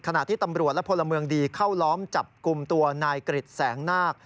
ขณะที่ตำรวจและพลเมืองดีเข้าล้อมจับกลุ่มตัวนายกริจแสงนาค